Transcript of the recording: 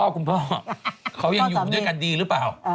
คุณพ่อเขายังอยู่ด้วยกันดีหรือเปล่า